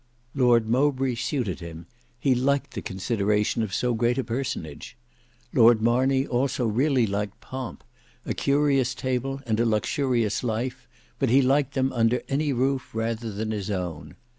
Lord Mowbray suited him; he liked the consideration of so great a personage. Lord Marney also really liked pomp; a curious table and a luxurious life; but he liked them under any roof rather than his own.